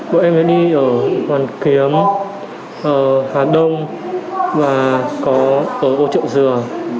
bọn em đã đi ở hoàn kiếm hà đông và ở ố trợ dừa